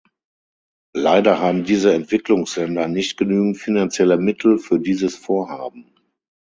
Leider haben diese Entwicklungsländer nicht genügend finanzielle Mittel für dieses Vorhaben.